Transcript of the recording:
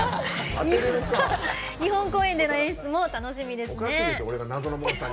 日本公演での演出も楽しみですね。